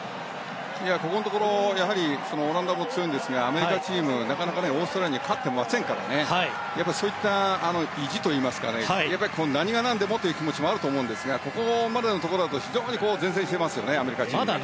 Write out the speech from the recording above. ここのところオランダも強いんですがアメリカチームは、なかなかオーストラリアに勝っていませんからその辺の意地といいますか何が何でもという気持ちもあると思うんですがここまでのところ非常に善戦していますよね。